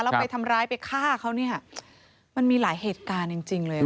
แล้วไปทำร้ายไปฆ่าเขาเนี่ยมันมีหลายเหตุการณ์จริงเลย